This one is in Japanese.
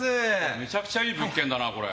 むちゃくちゃいい物件だな。